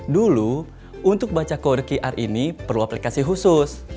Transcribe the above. dulu untuk baca qur qr ini perlu aplikasi khusus